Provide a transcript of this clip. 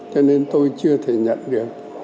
cho nên tôi chưa thể nhận được